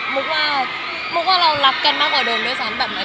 มุกว่าเรารับกันมากกว่าเดิมด้วยซ้ำ